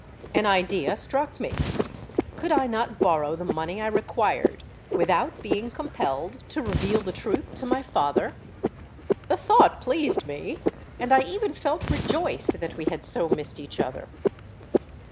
An idea struck me:—could I not borrow the money I required without being compelled to reveal the truth to my father? The thought pleased me—and I even felt rejoiced that we had so missed each other.